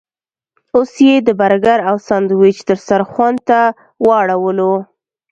اوس یې د برګر او ساندویچ دسترخوان ته واړولو.